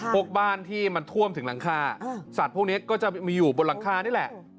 พวกบ้านที่มันท่วมถึงหลังคาสัตว์พวกนี้ก็จะมีอยู่บนหลังคานี่แหละ